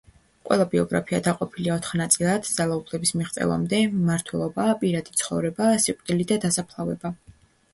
ყველა ბიოგრაფია დაყოფილია ოთხ ნაწილად: ძალაუფლების მიღწევამდე, მმართველობა, პირადი ცხოვრება, სიკვდილი და დასაფლავება.